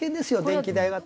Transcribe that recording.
電気代が。